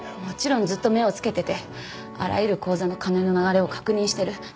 もちろんずっと目をつけててあらゆる口座の金の流れを確認してる。